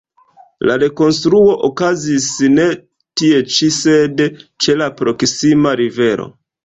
La rekonstruo okazis ne tie ĉi, sed ĉe la proksima rivero.